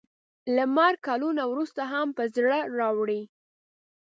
له مرګ کلونه وروسته هم په زړه راووري.